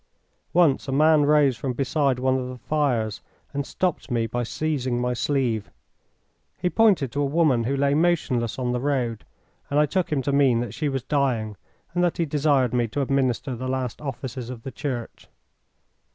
Once a man rose from beside one of the fires and stopped me by seizing my sleeve. He pointed to a woman who lay motionless on the road, and I took him to mean that she was dying, and that he desired me to administer the last offices of the Church.